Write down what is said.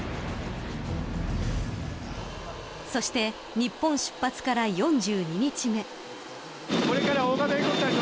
そして日本出発から４２日目。